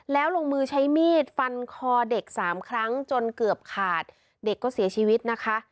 แล้วลงมือใช้มีดฟันคอเด็กสามครั้งจนเกือบขาดเด็กก็เสียชีวิตนะคะ